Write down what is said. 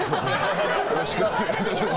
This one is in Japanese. よろしくお願いします。